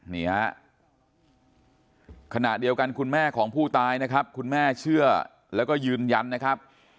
นี่ฮะขณะเดียวกันคุณแม่ของผู้ตายนะครับคุณแม่เชื่อแล้วก็ยืนยันนะครับ